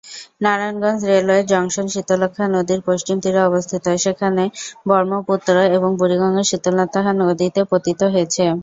Narayanganj railway junction Shitalakshya নদীর পশ্চিম তীরে অবস্থিত, যেখানে ব্রহ্মপুত্র এবং বুড়িগঙ্গা শীতলক্ষ্যা নদীতে পতিত হয়েছে।